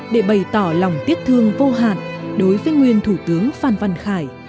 để bày tỏ lòng tiếc thương vô hạn đối với nguyên thủ tướng phan văn khải